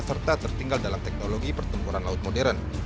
serta tertinggal dalam teknologi pertempuran laut modern